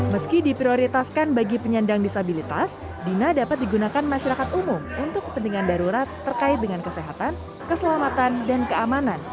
meski diprioritaskan bagi penyandang disabilitas dina dapat digunakan masyarakat umum untuk kepentingan darurat terkait dengan kesehatan keselamatan dan keamanan